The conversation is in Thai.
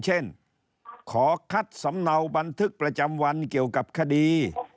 เช่นขอคัดสำเนาบันทึกประจำวันเกี่ยวกับคดี